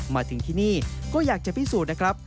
มาถึงที่นี่ก็อยากจะพิสูจน์นะครับ